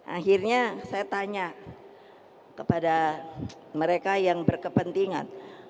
akhirnya saya tanya kepada mereka yang berkepentingan